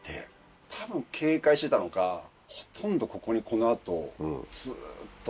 たぶん警戒してたのかほとんどここにこの後ずっと。